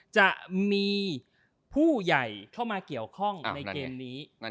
จะมีผู้ใหญ่เข้ามาเกี่ยวข้องในเกมนี้